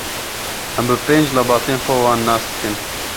Em bi pênc lebatên xwe wan nas dikin.